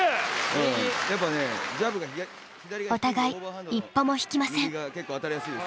お互い一歩も引きません。